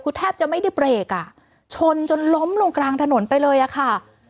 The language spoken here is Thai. คือแทบจะไม่ได้เบรกอ่ะชนจนล้มลงกลางถนนไปเลยอะค่ะ